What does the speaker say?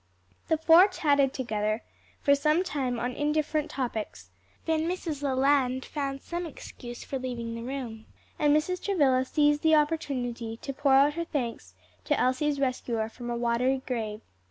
The four chatted together for some time on indifferent topics; then Mrs. Lester found some excuse for leaving the room, and Mrs. Travilla seized the opportunity to pour out her thanks to Elsie's rescuer from a watery grave.